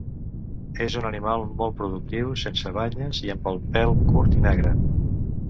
És un animal molt productiu, sense banyes i amb el pèl curt i negre.